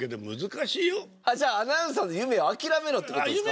じゃあアナウンサーの夢を諦めろって事ですか？